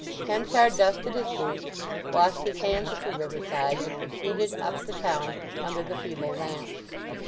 Henchard dusted his boots, washed his hands at the riverside, and proceeded up the town under the feeble lamps.